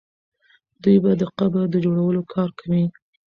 دوی به د قبر د جوړولو کار کوي.